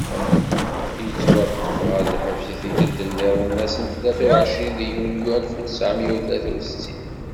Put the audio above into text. Yettwaṭṭef ɣer lḥebs i tikkelt-nniden ass n tlata u εecrin deg yunyu alef u tesεemya u tlata u settin.